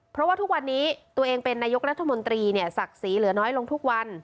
เพราะว่าทุกวันนี้ตัวเองเป็นนายกรัฐมนตรีเนี่ยศักดิ์ศรีเหลือน้อยลงทุกวัน